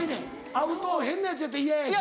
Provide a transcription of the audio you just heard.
会うと変なヤツやったら嫌やし。